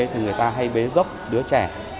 thì người ta hay bế dốc đứa trẻ